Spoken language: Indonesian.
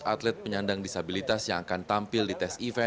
dan ada pegangannya gitu ya masih nyampe lah ya mas